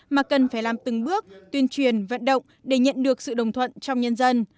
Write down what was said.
mà cần phải làm từng bước tuyên truyền vận động để nhận được sự đồng thuận trong nhân dân